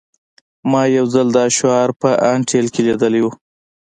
ما یو ځل دا شعار په انټیل کې لیدلی و